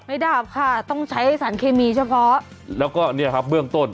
ดับค่ะต้องใช้สารเคมีเฉพาะแล้วก็เนี่ยครับเบื้องต้น